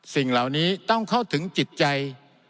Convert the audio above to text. สิ่งเหล่านี้ต้องเข้าถึงจิตใจ